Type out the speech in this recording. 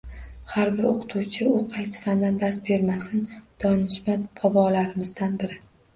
Har bir o‘qituvchi, u qaysi fandan dars bermasin, donishmand bobolarimizdan biri